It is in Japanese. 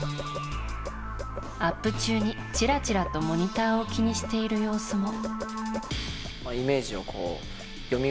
アップ中にチラチラとモニターを気にしている様子も。